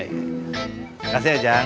makasih ya jang